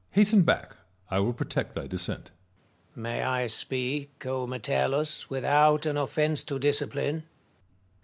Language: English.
Hasten back ; I will protect thy descent. Marius. May I speak, Metellus, without an ofience to discipKne